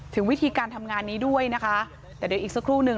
ถึงวิธีการทำงานนี้ด้วยนะคะแต่เดี๋ยวอีกสักครู่หนึ่ง